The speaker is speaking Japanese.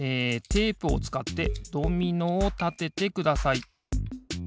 テープをつかってドミノをたててください。